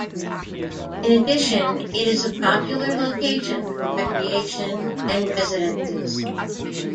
In addition, it is a popular location for recreation and residences.